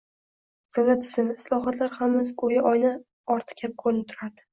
Davlat tizimi, islohotlar – hammasi go‘yo oyna orti kabi ko‘rinib turardi.